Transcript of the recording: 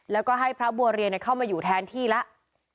แล้วก็ให้พระบัวเรียนเข้ามาอยู่แทนที่แล้ว